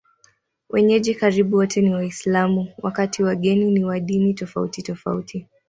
Wenyeji karibu wote ni Waislamu, wakati wageni ni wa dini tofautitofauti.